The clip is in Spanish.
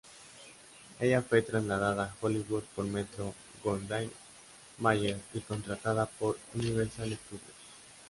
Ella fue trasladada Hollywood por Metro-Goldwyn-Mayer y contratada por Universal Studios.